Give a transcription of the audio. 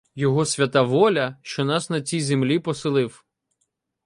Його свята воля, що нас на цій землі поселив.